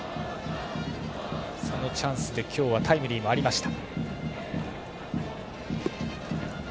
そのチャンスで今日はタイムリーもありました。